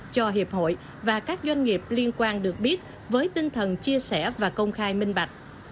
cho hiệp hội và các doanh nghiệp liên quan được biết với tinh thần chia sẻ và công khai minh bạch